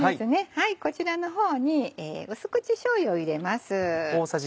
こちらの方に淡口しょうゆを入れます。